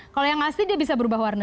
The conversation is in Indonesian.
kalau yang asli dia bisa berubah warna